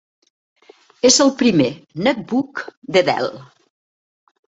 És el primer netbook de Dell.